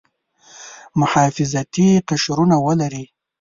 محافظتي قشرونه ولري.